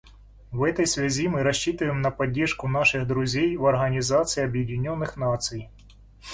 В этой связи мы рассчитываем на поддержку наших друзей в Организации Объединенных Наций.